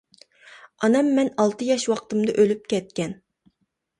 ئانام مەن ئالتە ياش ۋاقتىمدا ئۆلۈپ كەتكەن.